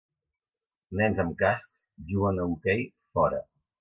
Nens amb cascs juguen a hoquei fora.